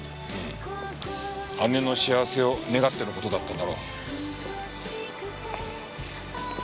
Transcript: うん姉の幸せを願っての事だったんだろう。